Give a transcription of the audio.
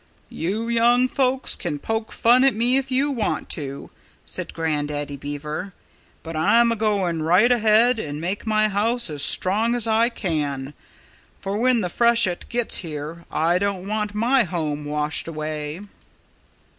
"You young folks can poke fun at me if you want to," said Grandaddy Beaver, "but I'm a going right ahead and make my house as strong as I can. For when the freshet gets here I don't want my home washed away."